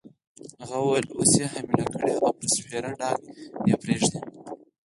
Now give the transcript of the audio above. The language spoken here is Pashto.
هغې وویل: اوس يې حامله کړې او پر سپېره ډاګ یې پرېږدې.